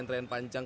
itu yang pertama